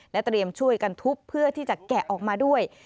และเตรียมช่วยกันทุบเพื่อที่จะแกะออกมาด้วย